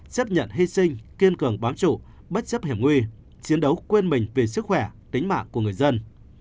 chấp nhận hy sinh kiên cường bám trụ bất chấp hiểm nguy chiến đấu quên mình vì sức khỏe tính mạng của người dân